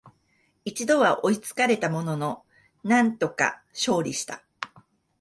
一度は追いつかれたものの、なんとか勝利した